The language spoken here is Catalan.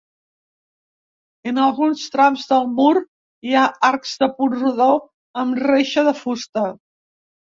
En alguns trams del mur hi ha arcs de punt rodó amb reixa de fusta.